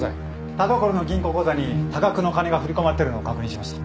田所の銀行口座に多額の金が振り込まれているのを確認しました。